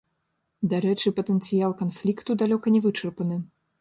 Дарэчы, патэнцыял канфлікту далёка не вычарпаны.